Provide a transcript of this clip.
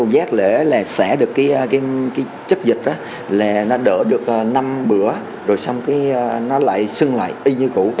giác lễ là xẻ được chất dịch đỡ được năm bữa rồi xong nó lại sưng lại y như cũ